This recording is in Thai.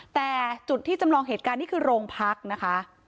แต่จุดที่จำลองเหตุการณ์นี่คือโรงพักนะคะ